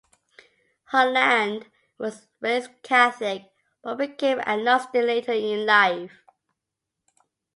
Hollande was raised Catholic, but became an agnostic later in life.